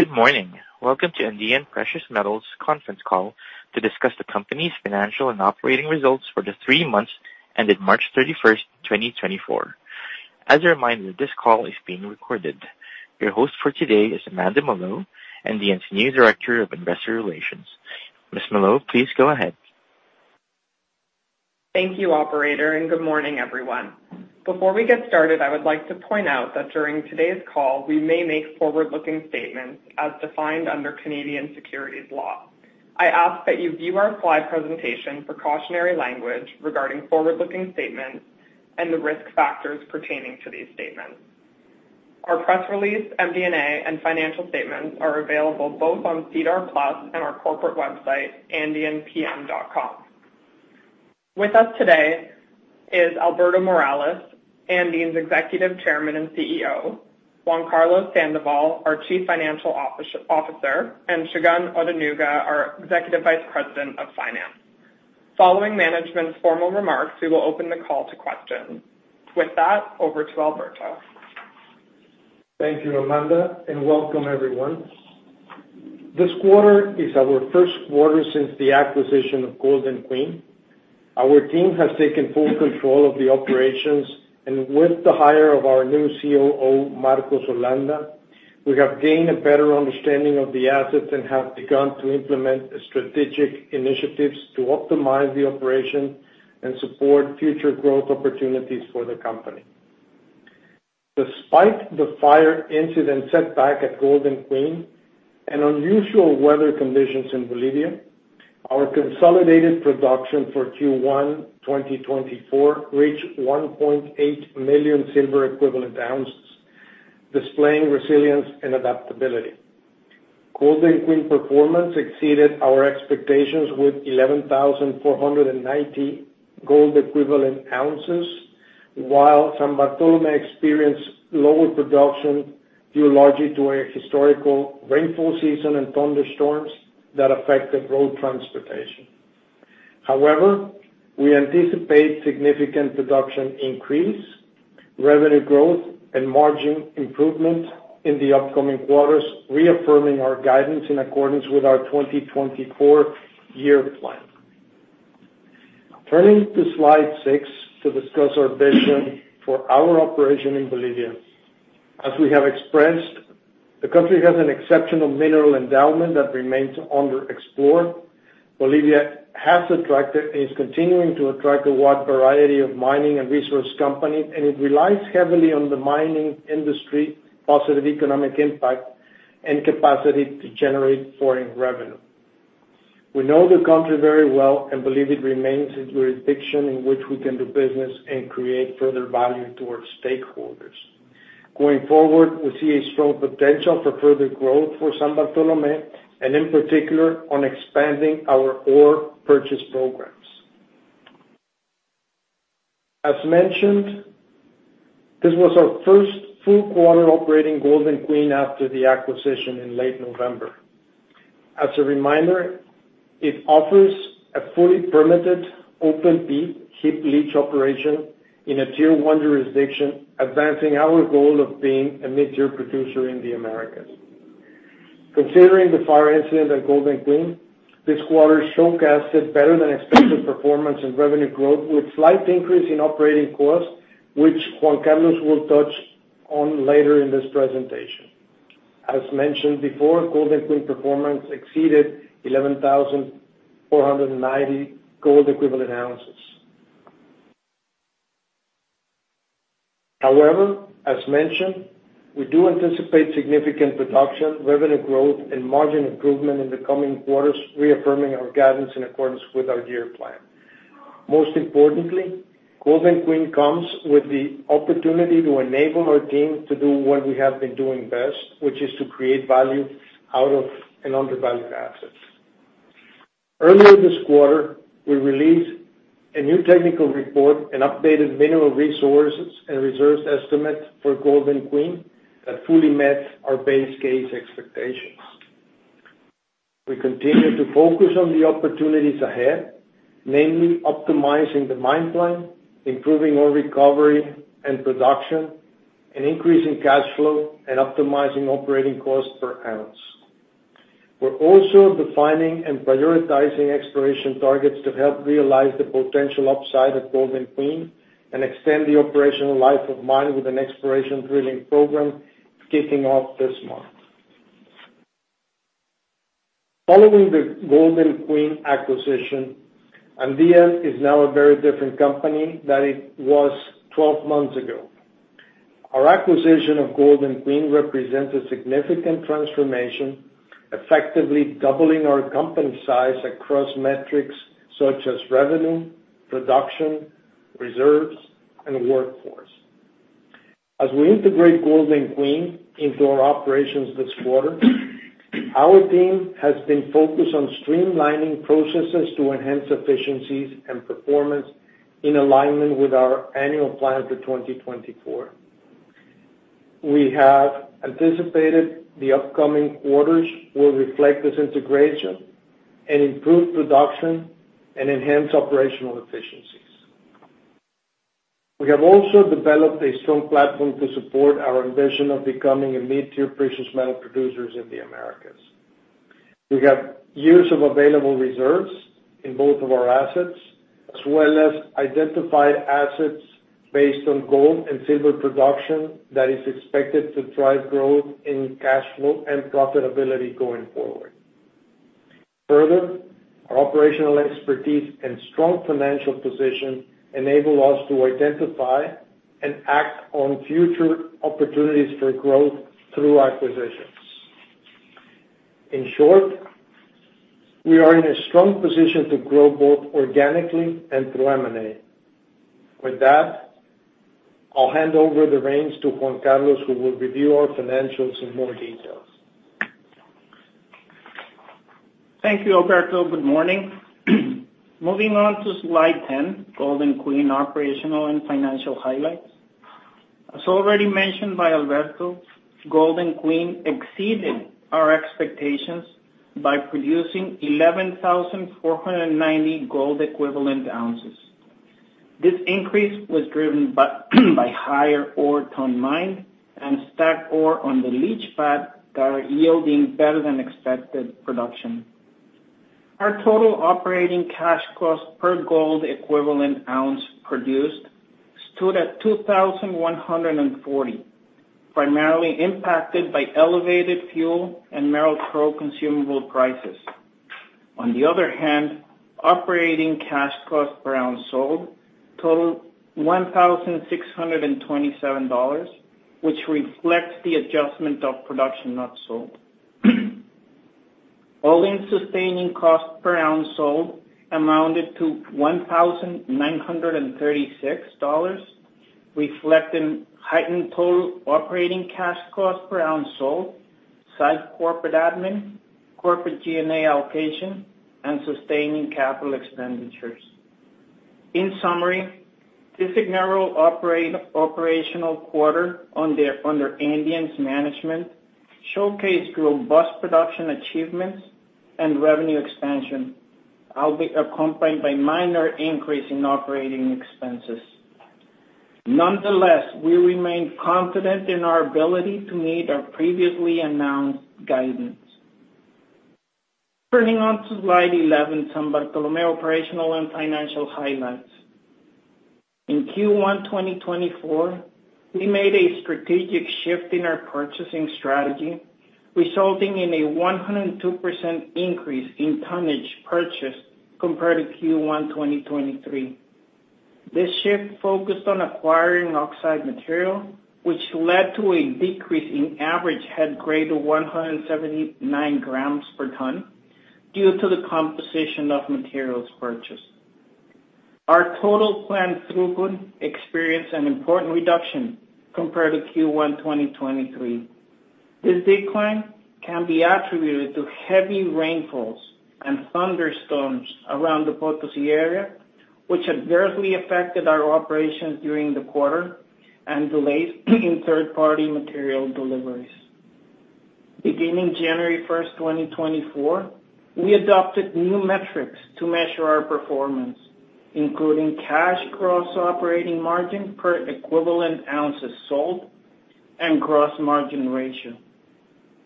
Good morning. Welcome to Andean Precious Metals' conference call to discuss the company's financial and operating results for the three months ended March 31st, 2024. As a reminder, this call is being recorded. Your host for today is Amanda Mallough, Andean's new Director of Investor Relations. Ms. Mallough, please go ahead. Thank you, Operator, and good morning, everyone. Before we get started, I would like to point out that during today's call we may make forward-looking statements as defined under Canadian securities law. I ask that you view our slide presentation for cautionary language regarding forward-looking statements and the risk factors pertaining to these statements. Our press release, MD&A, and financial statements are available both on SEDAR+ and our corporate website, andeanpm.com. With us today is Alberto Morales, Andean's Executive Chairman and CEO; Juan Carlos Sandoval, our Chief Financial Officer; and Segun Odunuga, our Executive Vice President of Finance. Following management's formal remarks, we will open the call to questions. With that, over to Alberto. Thank you, Amanda, and welcome, everyone. This quarter is our first quarter since the acquisition of Golden Queen. Our team has taken full control of the operations, and with the hire of our new COO, Marcos Holanda, we have gained a better understanding of the assets and have begun to implement strategic initiatives to optimize the operations and support future growth opportunities for the company. Despite the fire incident setback at Golden Queen and unusual weather conditions in Bolivia, our consolidated production for Q1 2024 reached 1.8 million silver equivalent ounces, displaying resilience and adaptability. Golden Queen performance exceeded our expectations with 11,490 gold equivalent ounces, while San Bartolomé experienced lower production due largely to a historical rainfall season and thunderstorms that affected road transportation. However, we anticipate significant production increase, revenue growth, and margin improvement in the upcoming quarters, reaffirming our guidance in accordance with our 2024 year plan. Turning to slide six to discuss our vision for our operation in Bolivia. As we have expressed, the country has an exceptional mineral endowment that remains underexplored. Bolivia has attracted and is continuing to attract a wide variety of mining and resource companies, and it relies heavily on the mining industry's positive economic impact and capacity to generate foreign revenue. We know the country very well and believe it remains a jurisdiction in which we can do business and create further value towards stakeholders. Going forward, we see a strong potential for further growth for San Bartolomé and, in particular, on expanding our ore purchase programs. As mentioned, this was our first full-quarter operating Golden Queen after the acquisition in late November. As a reminder, it offers a fully permitted open-pit heap leach operation in a Tier 1 jurisdiction, advancing our goal of being a mid-tier producer in the Americas. Considering the fire incident at Golden Queen, this quarter showcased better-than-expected performance and revenue growth, with a slight increase in operating costs, which Juan Carlos will touch on later in this presentation. As mentioned before, Golden Queen performance exceeded 11,490 gold equivalent ounces. However, as mentioned, we do anticipate significant production, revenue growth, and margin improvement in the coming quarters, reaffirming our guidance in accordance with our year plan. Most importantly, Golden Queen comes with the opportunity to enable our team to do what we have been doing best, which is to create value out of an undervalued asset. Earlier this quarter, we released a new technical report, an updated mineral resources and reserves estimate for Golden Queen that fully met our base case expectations. We continue to focus on the opportunities ahead, namely optimizing the mine plan, improving ore recovery and production, and increasing cash flow and optimizing operating costs per ounce. We're also defining and prioritizing exploration targets to help realize the potential upside of Golden Queen and extend the operational life of mine with an exploration drilling program kicking off this month. Following the Golden Queen acquisition, Andean is now a very different company than it was 12 months ago. Our acquisition of Golden Queen represents a significant transformation, effectively doubling our company size across metrics such as revenue, production, reserves, and workforce. As we integrate Golden Queen into our operations this quarter, our team has been focused on streamlining processes to enhance efficiencies and performance in alignment with our annual plan for 2024. We have anticipated the upcoming quarters will reflect this integration and improve production and enhance operational efficiencies. We have also developed a strong platform to support our ambition of becoming a mid-tier precious metal producer in the Americas. We have years of available reserves in both of our assets, as well as identified assets based on gold and silver production that is expected to drive growth in cash flow and profitability going forward. Further, our operational expertise and strong financial position enable us to identify and act on future opportunities for growth through acquisitions. In short, we are in a strong position to grow both organically and through M&A. With that, I'll hand over the reins to Juan Carlos, who will review our financials in more detail. Thank you, Alberto. Good morning. Moving on to Slide 10, Golden Queen operational and financial highlights. As already mentioned by Alberto, Golden Queen exceeded our expectations by producing 11,490 gold equivalent ounces. This increase was driven by higher ore ton mined and stacked ore on the leach pad that are yielding better-than-expected production. Our total operating cash cost per gold equivalent ounce produced stood at $2,140, primarily impacted by elevated fuel and mineral crude consumable prices. On the other hand, operating cash cost per ounce sold totaled $1,627, which reflects the adjustment of production not sold. All-in sustaining cost per ounce sold amounted to $1,936, reflecting heightened total operating cash cost per ounce sold, site corporate admin, corporate G&A allocation, and sustaining capital expenditures. In summary, this inaugural operational quarter under Andean's management showcased robust production achievements and revenue expansion, accompanied by minor increase in operating expenses. Nonetheless, we remain confident in our ability to meet our previously announced guidance. Turning to slide 11, San Bartolomé operational and financial highlights. In Q1 2024, we made a strategic shift in our purchasing strategy, resulting in a 102% increase in tonnage purchased compared to Q1 2023. This shift focused on acquiring oxide material, which led to a decrease in average head grade of 179 grams per ton due to the composition of materials purchased. Our total plant throughput experienced an important reduction compared to Q1 2023. This decline can be attributed to heavy rainfalls and thunderstorms around the Potosí area, which adversely affected our operations during the quarter and delays in third-party material deliveries. Beginning January 1st, 2024, we adopted new metrics to measure our performance, including cash gross operating margin per equivalent ounces sold and gross margin ratio.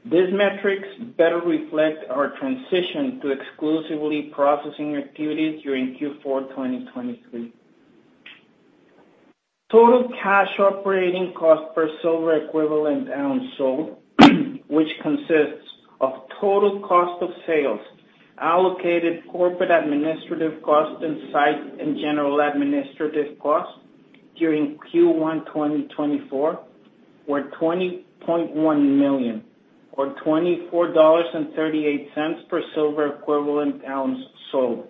These metrics better reflect our transition to exclusively processing activities during Q4 2023. Total cash operating cost per silver equivalent ounce sold, which consists of total cost of sales allocated corporate administrative costs and site and general administrative costs during Q1 2024, were $20.1 million, or $24.38 per silver equivalent ounce sold,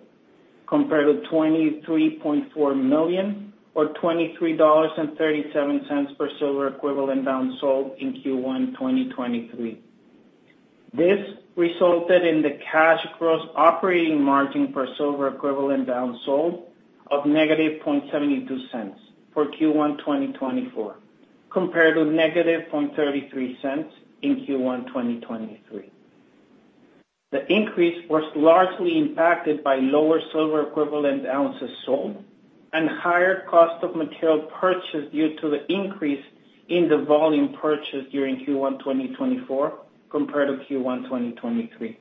compared to $23.4 million, or $23.37 per silver equivalent ounce sold in Q1 2023. This resulted in the cash gross operating margin per silver equivalent ounce sold of -$0.72 for Q1 2024, compared to -$0.33 in Q1 2023. The increase was largely impacted by lower silver equivalent ounces sold and higher cost of material purchased due to the increase in the volume purchased during Q1 2024 compared to Q1 2023.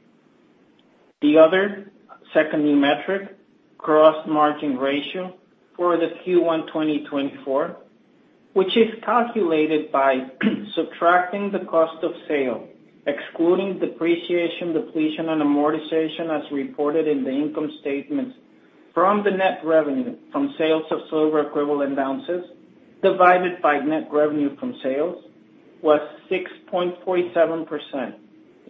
The other second new metric, gross margin ratio, for the Q1 2024, which is calculated by subtracting the cost of sale, excluding depreciation, depletion, and amortization as reported in the income statements from the net revenue from sales of silver equivalent ounces divided by net revenue from sales, was 6.47%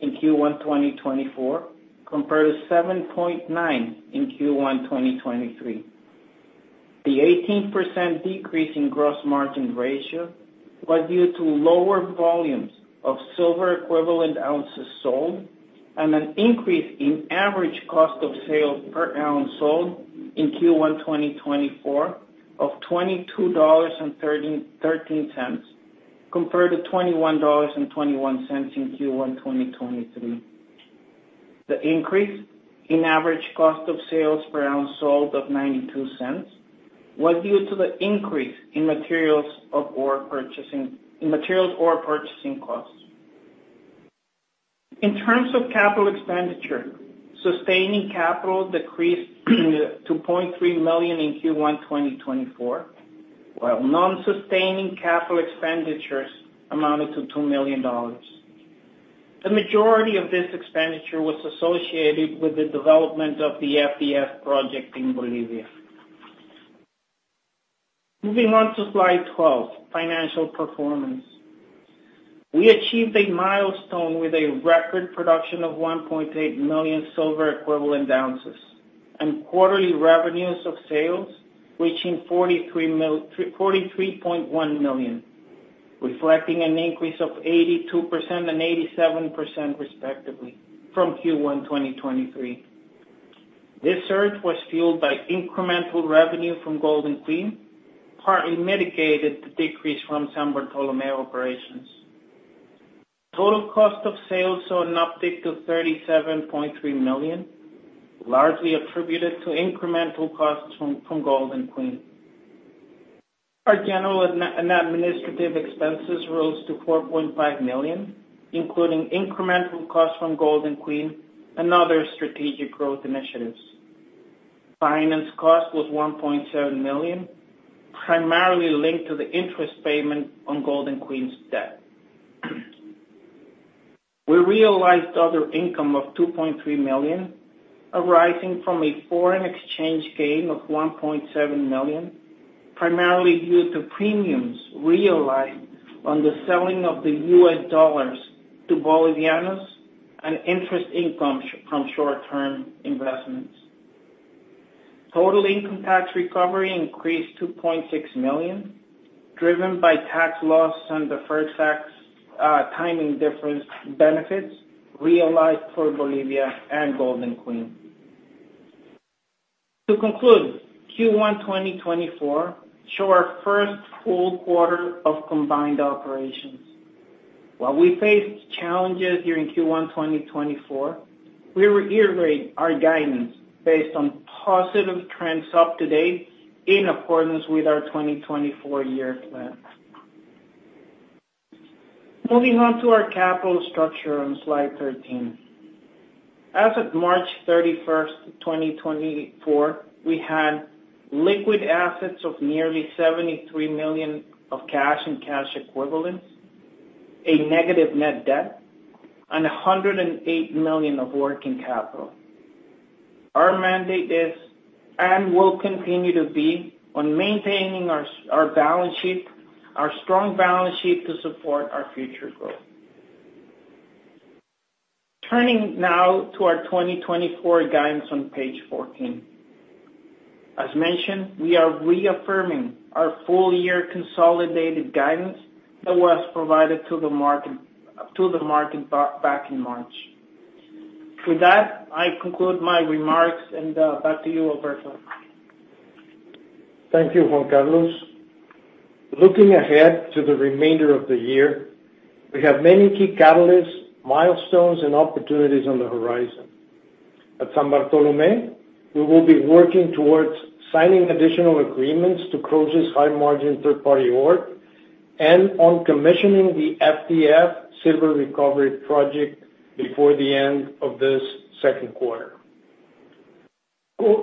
in Q1 2024 compared to 7.9% in Q1 2023. The 18% decrease in gross margin ratio was due to lower volumes of silver equivalent ounces sold and an increase in average cost of sale per ounce sold in Q1 2024 of $22.13 compared to $21.21 in Q1 2023. The increase in average cost of sales per ounce sold of $0.92 was due to the increase in materials ore purchasing costs. In terms of capital expenditure, sustaining capital decreased to $0.3 million in Q1 2024, while nonsustaining capital expenditures amounted to $2 million. The majority of this expenditure was associated with the development of the FDF project in Bolivia. Moving on to slide 12, financial performance. We achieved a milestone with a record production of 1.8 million silver equivalent ounces and quarterly revenues of sales reaching $43.1 million, reflecting an increase of 82% and 87%, respectively, from Q1 2023. This surge was fueled by incremental revenue from Golden Queen, partly mitigated the decrease from San Bartolomé operations. Total cost of sales saw an uptick to $37.3 million, largely attributed to incremental costs from Golden Queen. Our general and administrative expenses rose to $4.5 million, including incremental costs from Golden Queen and other strategic growth initiatives. Finance cost was $1.7 million, primarily linked to the interest payment on Golden Queen's debt. We realized other income of $2.3 million, arising from a foreign exchange gain of $1.7 million, primarily due to premiums realized on the selling of the U.S. dollars to Bolivianos and interest income from short-term investments. Total income tax recovery increased to $2.6 million, driven by tax loss and deferred tax timing difference benefits realized for Bolivia and Golden Queen. To conclude, Q1 2024 showed our first full quarter of combined operations. While we faced challenges during Q1 2024, we reiterated our guidance based on positive trends up to date in accordance with our 2024 year plan. Moving on to our capital structure on slide 13. As of March 31, 2024, we had liquid assets of nearly $73 million of cash and cash equivalents, a negative net debt, and $108 million of working capital. Our mandate is and will continue to be on maintaining our balance sheet, our strong balance sheet to support our future growth. Turning now to our 2024 guidance on page 14. As mentioned, we are reaffirming our full-year consolidated guidance that was provided to the market back in March. With that, I conclude my remarks, and back to you, Alberto. Thank you, Juan Carlos. Looking ahead to the remainder of the year, we have many key catalysts, milestones, and opportunities on the horizon. At San Bartolomé, we will be working towards signing additional agreements to close high-margin third-party ore and on commissioning the FDF silver recovery project before the end of this second quarter.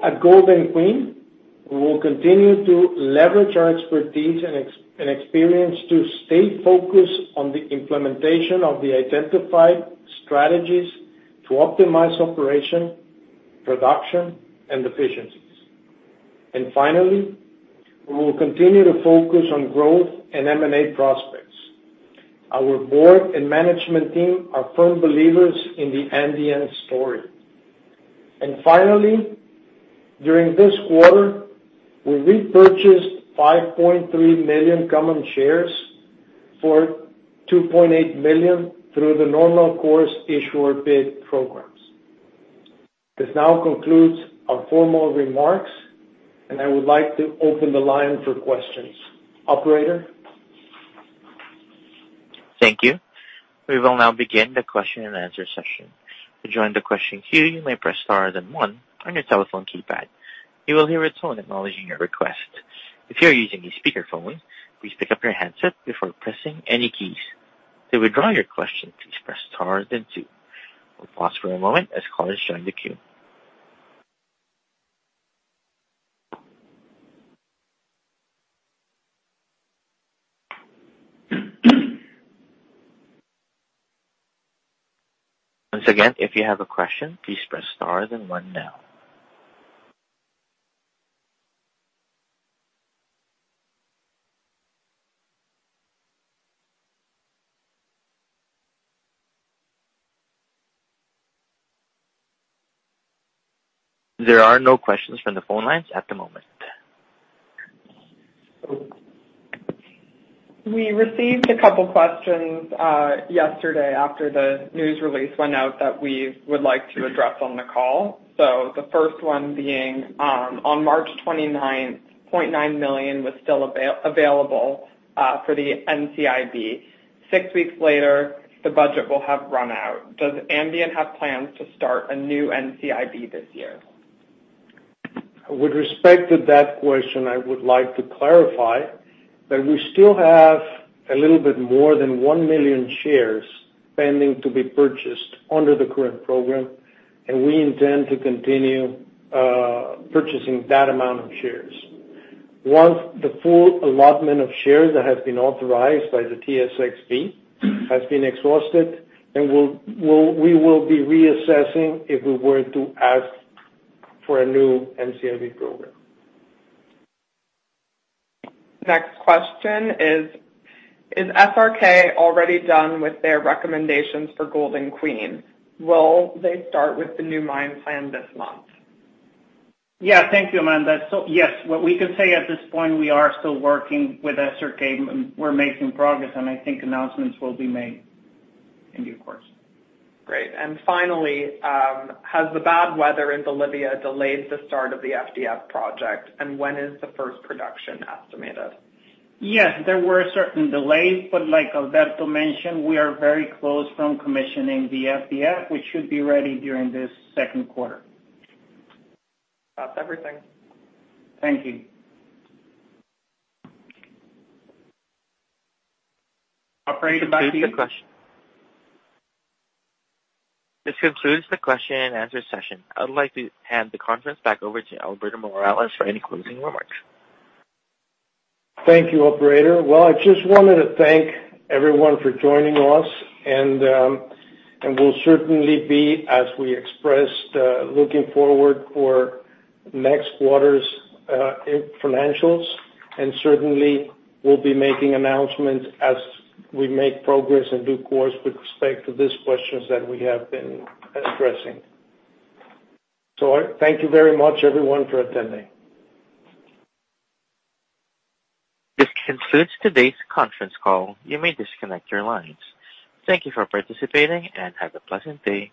At Golden Queen, we will continue to leverage our expertise and experience to stay focused on the implementation of the identified strategies to optimize operation, production, and efficiencies. And finally, we will continue to focus on growth and M&A prospects. Our board and management team are firm believers in the Andean story. And finally, during this quarter, we repurchased 5.3 million common shares for $2.8 million through the normal course issuer bid programs. This now concludes our formal remarks, and I would like to open the line for questions. Operator? Thank you. We will now begin the question and answer session. To join the question queue, you may press star, then one on your telephone keypad. You will hear a tone acknowledging your request. If you are using a speakerphone, please pick up your handset before pressing any keys. To withdraw your question, please press star, then two. We'll pause for a moment as callers join the queue. Once again, if you have a question, please press star, then one now. There are no questions from the phone lines at the moment. We received a couple of questions yesterday after the news release went out that we would like to address on the call. So the first one being, on March 29th, $0.9 million was still available for the NCIB. Six weeks later, the budget will have run out. Does Andean have plans to start a new NCIB this year? With respect to that question, I would like to clarify that we still have a little bit more than 1 million shares pending to be purchased under the current program, and we intend to continue purchasing that amount of shares. Once the full allotment of shares that has been authorized by the TSX-V has been exhausted, then we will be reassessing if we were to ask for a new NCIB program. Next question is, is SRK already done with their recommendations for Golden Queen? Will they start with the new mine plan this month? Yeah. Thank you, Amanda. Yes. What we can say at this point, we are still working with SRK, and we're making progress, and I think announcements will be made in due course. Great. Finally, has the bad weather in Bolivia delayed the start of the FDF project, and when is the first production estimated? Yes. There were certain delays, but like Alberto mentioned, we are very close from commissioning the FDF, which should be ready during this second quarter. That's everything. Thank you. Operator, back to you. This concludes the question. This concludes the question and answer session. I'd like to hand the conference back over to Alberto Morales for any closing remarks. Thank you, Operator. Well, I just wanted to thank everyone for joining us, and we'll certainly be, as we expressed, looking forward for next quarter's financials, and certainly we'll be making announcements as we make progress and due course with respect to these questions that we have been addressing. So thank you very much, everyone, for attending. This concludes today's conference call. You may disconnect your lines. Thank you for participating, and have a pleasant day.